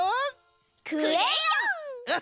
クレヨン！